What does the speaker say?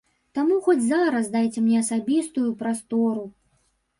Таму хоць зараз дайце мне асабістую прастору.